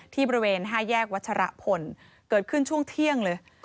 บริเวณ๕แยกวัชรพลเกิดขึ้นช่วงเที่ยงเลย